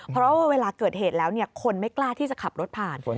เพราะว่าเวลาเกิดเหตุแล้วคนไม่กล้าที่จะขับรถผ่าน